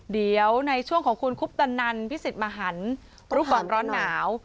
เดี๋ยวในช่วงของคุณคุปตันนันพิสิทธิ์มหันรู้ก่อนร้อนหนาว